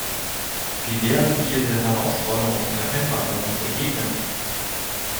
Wie werden wir der Herausforderung der Einwanderung begegnen?